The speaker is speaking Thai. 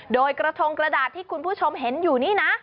โดยกระทงกระดาษที่คุณผู้ชมเห็นอยู่นี่นะ